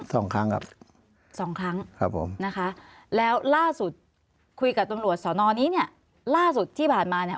สองครั้งครับ